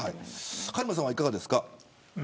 カルマさんは、いかがですか。